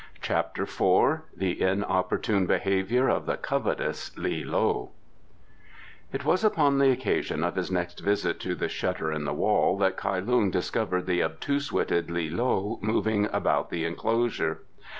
CHAPTER IV The Inopportune Behaviour of the Covetous Li loe It was upon the occasion of his next visit to the shutter in the wall that Kai Lung discovered the obtuse witted Li loe moving about the enclosure.